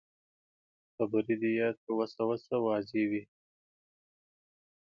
خبرې دې يې تر وسه وسه واضح وي.